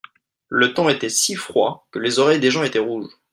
Le temps était si froid que les oreilles des gens étaient rouges.